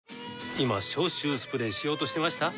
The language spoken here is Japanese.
今消臭スプレーしようとしてました？